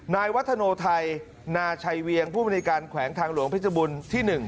นายวัฒโนไทยนาชัยเวียงผู้บริการแขวงทางหลวงเพชรบุญที่๑